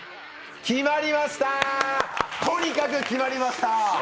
決まりました、とにかく決まりました。